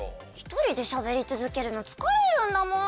１人でしゃべり続けるの疲れるんだもん。